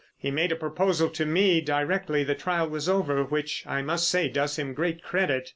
He made a proposal to me directly the trial was over which I must say does him great credit.